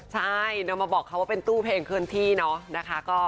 ใช่เรามาบอกเขาว่าเป็นตู้เพลงเคลื่อนที่เนาะนะคะ